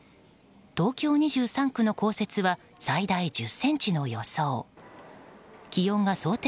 東京２３区の降雪は最大１０ｃｍの予想。